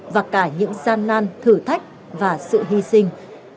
và cả những gian nan thử thách và sự hy sinh